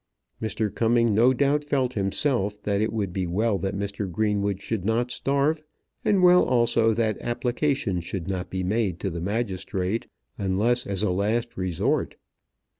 Mr. Cumming no doubt felt himself that it would be well that Mr. Greenwood should not starve, and well also that application should not be made to the magistrate, unless as a last resort.